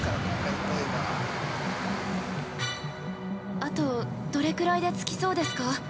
◆あと、どれくらいで着きそうですか？